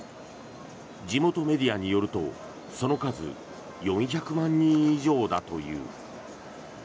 地元メディアによるとその数４００万人以上だという。